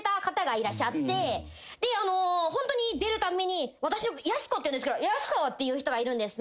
ホントに出るたんびに私やす子っていうんですけど「やす子」って言う人がいるんです。